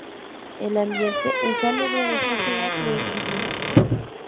El ambiente insalubre de esa ciudad lo impidió.